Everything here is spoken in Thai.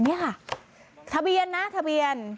นี่ค่ะทะเบียนนะทะเบียน